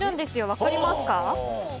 分かりますか。